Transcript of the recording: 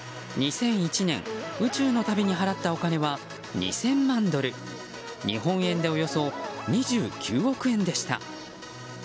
２００１年、宇宙の旅に払ったお金は２０００万ドル日本円でおよそ２９億円でした。